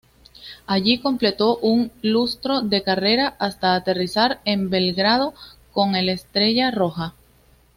Allí completó un lustro de carrera hasta aterrizar en Belgrado con el Estrella Roja.